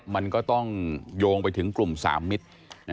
มันก็ต้องโยงไปถึงกลุ่ม๓มิตร